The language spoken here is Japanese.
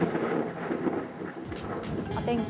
お天気